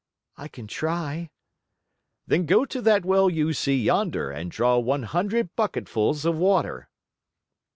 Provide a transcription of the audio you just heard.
"I can try." "Then go to that well you see yonder and draw one hundred bucketfuls of water."